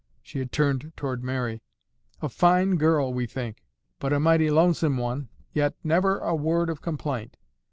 She had turned toward Mary. "A fine girl, we think, but a mighty lonesome one, yet never a word of complaint.